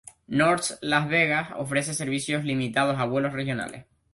North Las Vegas ofrece servicios limitados a vuelos regionales.